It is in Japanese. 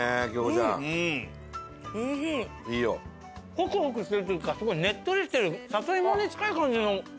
ホクホクしてるというかすごいねっとりしてる里芋に近い感じのお芋なのかな？